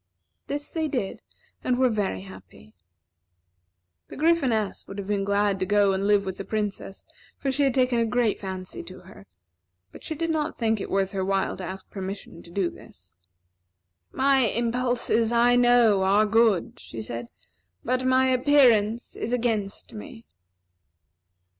This they did, and were very happy. The Gryphoness would have been glad to go and live with the Princess, for she had taken a great fancy to her; but she did not think it worth her while to ask permission to do this. "My impulses, I know, are good," she said; "but my appearance is against me."